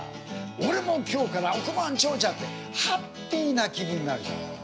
「俺も今日から億万長者」ってハッピーな気分になるじゃん。